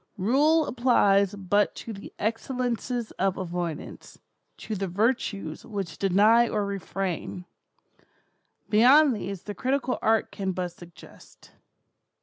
Rule applies but to the excellences of avoidance—to the virtues which deny or refrain. Beyond these the critical art can but suggest.